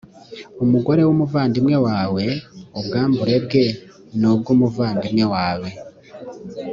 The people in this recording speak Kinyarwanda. umugore w umuvandimwe wawe b ubwambure bwe ni ubw umuvandimwe wawe